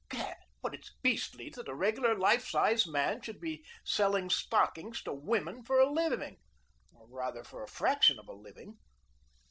Gad! but it's beastly that a regular life sized man should be selling stockings to women for a living, or rather for a fraction of a living."